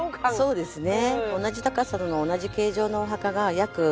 そうですね